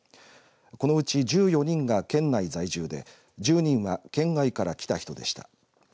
このうち１４人が県内在住で１０人は県外から来た人でした。